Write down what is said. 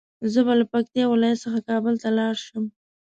زه به له پکتيا ولايت څخه کابل ته لاړ شم